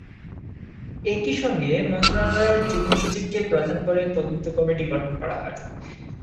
একই সঙ্গে মন্ত্রণালয়ের যুগ্ম সচিবকে প্রধান করে তদন্ত কমিটি গঠন করা হয়।